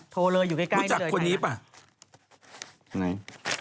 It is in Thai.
โทรเลยอยู่ใกล้